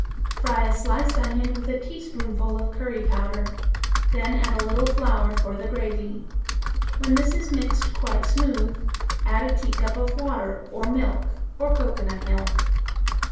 Fry a sliced onion with a teaspoonful of curry powder; then add a little flour for the gravy. When this is mixed quite smooth, add a teacup of water or milk or cocoanut milk.